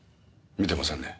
見てませんね。